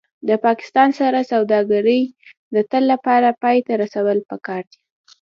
د پاکستان سره سوداګري د تل لپاره پای ته رسول پکار دي